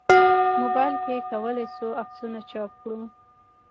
موبایل کې کولای شو عکسونه چاپ کړو.